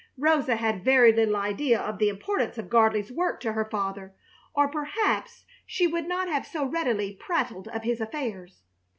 Rosa had very little idea of the importance of Gardley's work to her father, or perhaps she would not have so readily prattled of his affairs.